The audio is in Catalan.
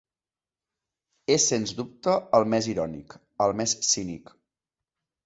És sens dubte el més irònic, el més cínic.